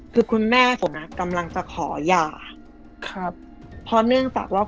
คือคุณแม่สุนัขกำลังจะขอหย่าครับเพราะเนื่องจากว่า